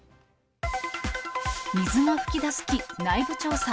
水が噴き出す木、内部調査。